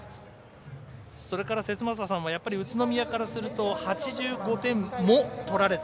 それから宇都宮からすると８５点も取られた。